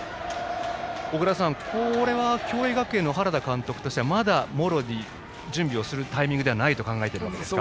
小倉さん、これは共栄学園の原田監督としてはまだ茂呂は準備をするタイミングではないと考えていますか。